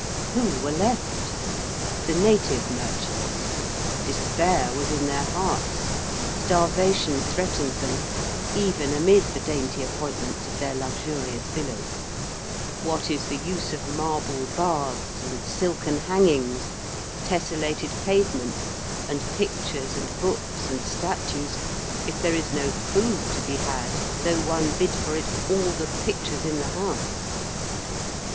Who were left? The native merchants. Despair was in their hearts; starvation threatened them, even amid the dainty appointments of their luxurious villas; what is the use of marble baths and silken hangings, tesselated pavements, and pictures, and books, and statues, if there is no food to be had, though one bid for it all the pictures in the house?